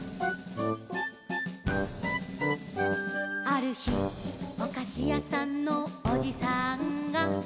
「あるひおかしやさんのおじさんが」